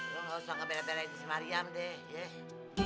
lo nggak usah ngebera berain di semariam deh